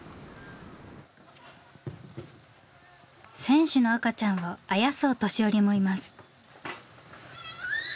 選手の赤ちゃんをあやすお年寄りもいます。